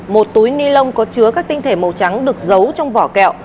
một túi ni lông có chứa các tinh thể màu trắng được giấu trong vỏ kẹo